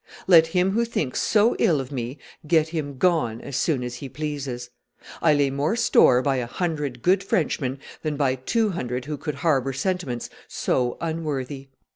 Let him who thinks so ill of me get him gone as soon as he pleases; I lay more store by a hundred good Frenchmen than by two hundred who could harbor sentiments so unworthy.